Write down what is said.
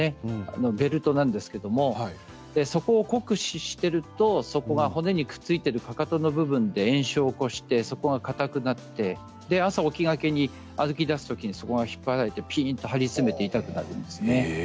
ベルトなんですが酷使していると骨にくっついてるかかとの部分で炎症を起こしてそこがかたくなって朝起きがけに歩きだしたときそこが引っ張られて張り詰めて痛くなるんです。